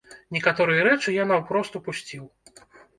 Некаторыя рэчы я наўпрост упусціў.